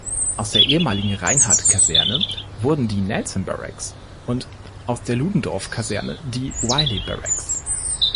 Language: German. Aus der ehemaligen "Reinhardt-Kaserne" wurden die "Nelson-Barracks" und aus der "Ludendorff-Kaserne" die "Wiley-Barracks".